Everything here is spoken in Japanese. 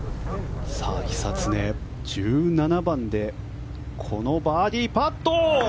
久常、１７番でバーディーパット。